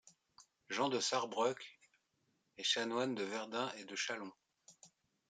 Jean de Sarrebruck est chanoine de Verdun et de Châlons.